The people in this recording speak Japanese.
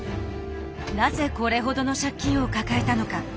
なぜこれほどの借金を抱えたのか。